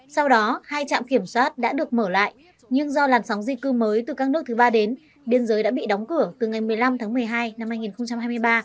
sau đó hai trạm kiểm soát đã được mở lại nhưng do làn sóng di cư mới từ các nước thứ ba đến biên giới đã bị đóng cửa từ ngày một mươi năm tháng một mươi hai năm hai nghìn hai mươi ba